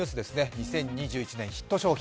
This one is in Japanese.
２０２１年ヒット商品。